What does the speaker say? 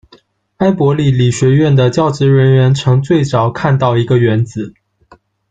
埃伯利理学院的教职人员曾最早“看到”一个原子。